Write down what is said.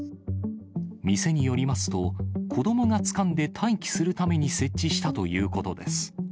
店によりますと、子どもがつかんで待機するために設置したということです。